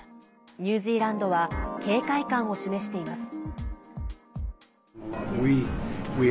ニュージーランドは警戒感を示しています。